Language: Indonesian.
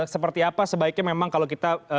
seperti apa sebaiknya memang kalau kita